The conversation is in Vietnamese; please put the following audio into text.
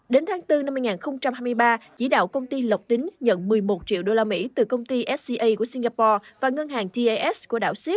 đến tháng bốn năm hai nghìn hai mươi ba chỉ đạo công ty lọc tính nhận một mươi một triệu usd từ công ty sca